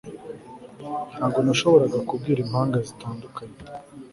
Ntabwo nashoboraga kubwira impanga zitandukanye